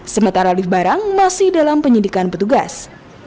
sementara lift barang masih dalam penyidikan petugas